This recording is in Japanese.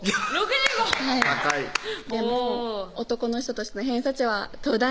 高いでも男の人としての偏差値は東大